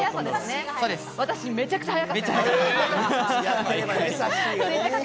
私、めちゃくちゃ早かったです。